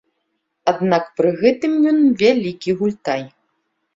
Аднак пры гэтым ён вялікі гультай.